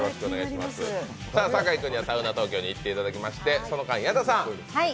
酒井君には行っていただきましてその間、矢田さん。